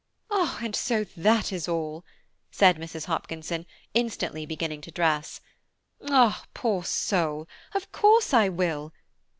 "And so that is all," said Mrs. Hopkinson, instantly beginning to dress. "Ah, poor soul! of course I will.